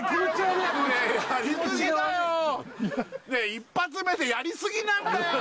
１発目でやりすぎなんだよ